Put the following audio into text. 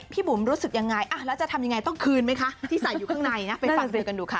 บุ๋มรู้สึกยังไงแล้วจะทำยังไงต้องคืนไหมคะที่ใส่อยู่ข้างในนะไปฟังเธอกันดูค่ะ